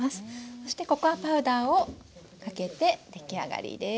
そしてココアパウダーをかけて出来上がりです。